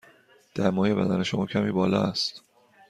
دمای بدن شما کمی بالا است.